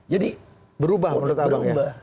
jadi berubah menurut abang ya